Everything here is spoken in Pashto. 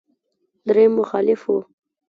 درېيم مخالف و.